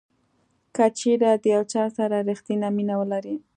کچیرې د یو چا سره ریښتینې مینه ولرئ.